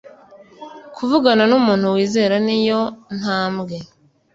kuvugana n umuntu wizera ni yo ntambwe